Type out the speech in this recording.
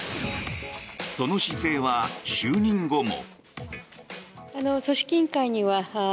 その姿勢は就任後も。